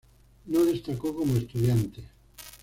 No destacó como estudiante.